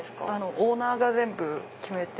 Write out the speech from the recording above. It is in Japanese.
オーナーが全部決めて。